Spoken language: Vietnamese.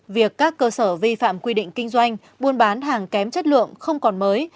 việc các cơ sở vi phạm quy định kinh doanh buôn bán hàng kém chất lượng không còn mới